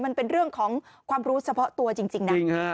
มันเป็นเรื่องของความรู้เฉพาะตัวจริงนะ